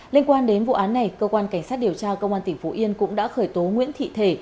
liên quan đến vụ án này cơ quan cảnh sát điều tra công an tp long xuyên cũng đã khởi tố nguyễn thị thể